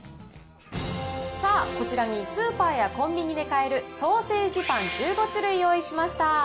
さあ、こちらにスーパーやコンビニで買えるソーセージパン１５種類用意しました。